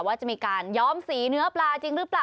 ว่าจะมีการย้อมสีเนื้อปลาจริงหรือเปล่า